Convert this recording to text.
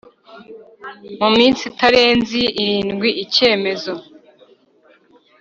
Mu minsi itarenze irindwi icyemezo